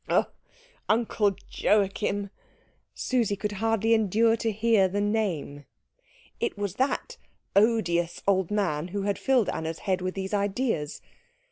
"Oh, Uncle Joachim " Susie could hardly endure to hear the name. It was that odious old man who had filled Anna's head with these ideas.